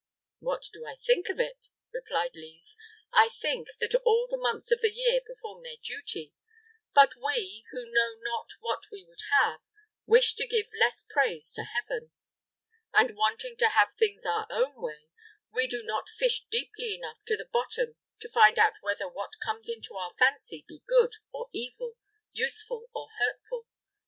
"What do I think of it?" replied Lise. "I think that all the months of the year perform their duty; but we, who know not what we would have, wish to give less praise to Heaven, and, wanting to have things our own way, we do not fish deeply enough to the bottom to find out whether what comes into our fancy be good or evil, useful or hurtful.